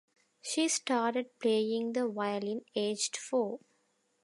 She started playing the violin aged four.